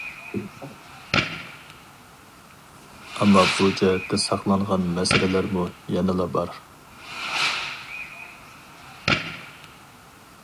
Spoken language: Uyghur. ئەمما بۇ جەھەتتە ساقلانغان مەسىلىلەرمۇ يەنىلا بار.